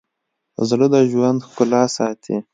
زړه د ژوند ښکلا ساتي.